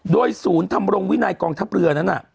โดยศูนย์ทำรงวินัยกองทัพเรือนั้น